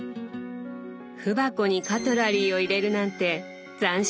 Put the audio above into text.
文箱にカトラリーを入れるなんて斬新ですね！